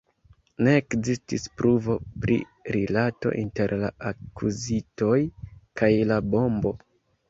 Ne ekzistis pruvo pri rilato inter la akuzitoj kaj la bombo.